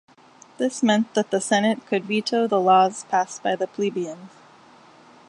This meant that the senate could veto the laws passed by the plebeians.